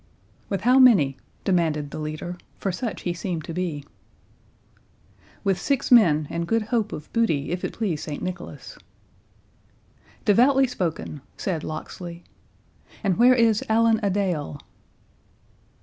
"With how many?" demanded the leader, for such he seemed to be. "With six men, and good hope of booty, if it please St Nicholas." "Devoutly spoken," said Locksley; "and where is Allan a Dale?"